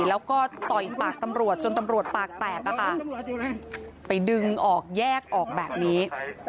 แล้วก็ต่อยปากตำรวจจนตำรวจปากแตกอะค่ะไปดึงออกแยกออกแบบนี้